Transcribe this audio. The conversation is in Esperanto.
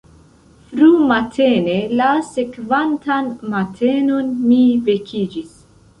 Frumatene la sekvantan matenon mi vekiĝis.